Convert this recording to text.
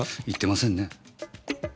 言ってませんね。